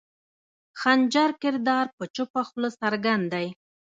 خنجر کردار پۀ چپه خله څرګند دے